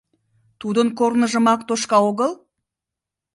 Тудын корныжымак тошка огыл?